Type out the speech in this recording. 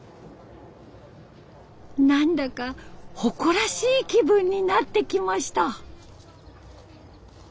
何だか誇らしい気分になってきました。